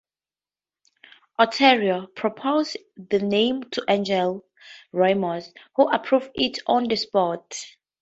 Otero proposed the name to Angel Ramos, who approved it on the spot.